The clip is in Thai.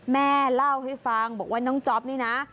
แม่เล่าให้ฟังบอกว่าน้องจ๊อปนี่นะ